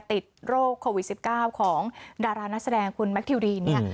ติดโรคโควิด๑๙ของดารานักแสดงคุณแมคทิวดีนเนี่ย